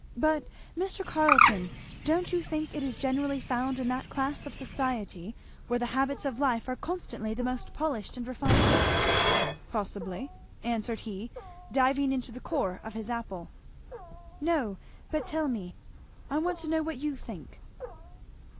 but, Mr. Carleton, don't you think it is generally found in that class of society where the habits of life are constantly the most polished and refined?" "Possibly," answered he, diving into the core of his apple. "No, but tell me; I want to know what you think."